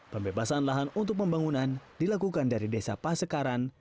pembebasan lahan untuk pembangunan dilakukan dari desa pasekaran